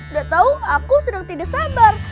udah tahu aku sedang tidak sabar